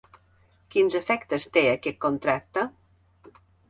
Quins efectes té aquest contracte?